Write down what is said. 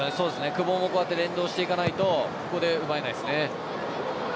久保も連動していかないとここで奪えないです。